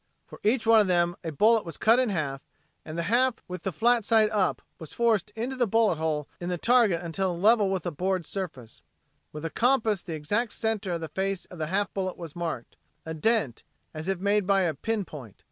For each one of them a bullet was cut in half, and the half, with the flat side up, was forced into the bullet hole in the target until level with the board's surface. With a compass the exact center of the face of the half bullet was marked a dent, as if made by a pin point.